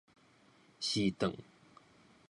是頓